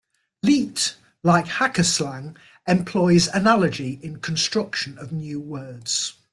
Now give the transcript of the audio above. Leet, like hacker slang, employs analogy in construction of new words.